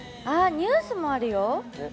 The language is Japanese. ニュースもあるよ。